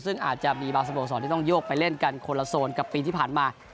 ซึ่งอาจจะมีบางสโมสรที่ต้องโยกไปเล่นกันคนละโซนกับปีที่ผ่านมา